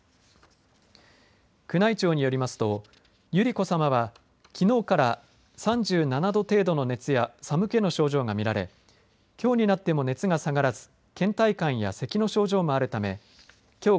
宮内庁によりますと百合子さまはきのうから３７度程度の熱や寒気の症状が見られきょうになっても熱が下がらずけん怠感やせきの症状もあるためきょう